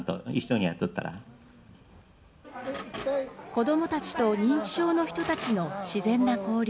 子どもたちと認知症の人たちの自然な交流。